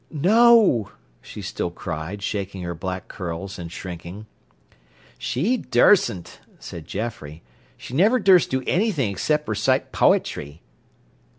"No," she still cried, shaking her black curls and shrinking. "She dursn't," said Geoffrey. "She niver durst do anything except recite poitry."